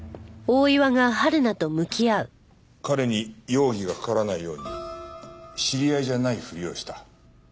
彼に容疑がかからないように知り合いじゃないふりをした。